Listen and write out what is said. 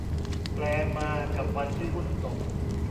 แปลมา กับวันที่หุ้นตก